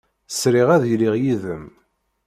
Sriɣ ad iliɣ yid-m.